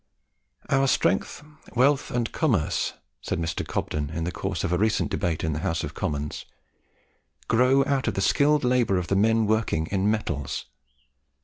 "Our strength, wealth, and commerce," said Mr. Cobden in the course of a recent debate in the House of Commons, "grow out of the skilled labour of the men working in metals.